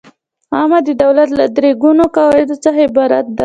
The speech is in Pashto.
عامه د دولت له درې ګونو قواوو څخه عبارت ده.